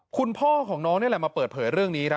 คุณพ่อของน้องมันจะมาเปิดเผยเรื่องนี้